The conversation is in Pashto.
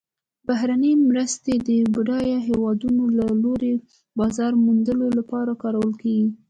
بهرنۍ مرستې د بډایه هیوادونو له لوري بازار موندلو لپاره کارول کیږي.